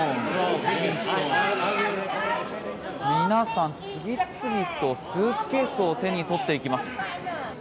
皆さん次々とスーツケースを手に取っていきます。